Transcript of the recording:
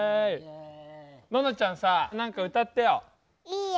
ののちゃんさ何か歌ってよ。